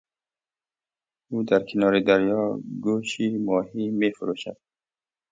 او در کنار دریا گوشماهی میفروشد.